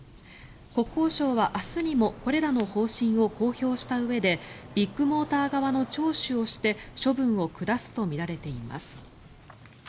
国交省は明日にもこれらの方針を公表したうえでビッグモーター側の聴取をして処分を下すとみられています。